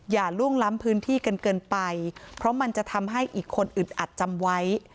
ล่วงล้ำพื้นที่กันเกินไปเพราะมันจะทำให้อีกคนอึดอัดจำไว้